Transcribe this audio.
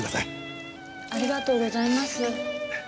ありがとうございます。